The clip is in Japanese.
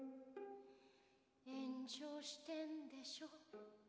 「炎上しているんでしょう」